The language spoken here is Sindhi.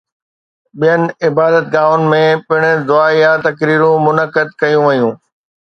ٻين عبادتگاهن ۾ پڻ دعائيه تقريبون منعقد ڪيون ويون